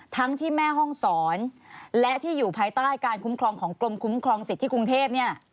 ทั้งที่แม่ห้องศรและที่อยู่ภายใต้การคุ้มครองของกรมคุ้มครองสิทธิกรุงเทพเนี่ย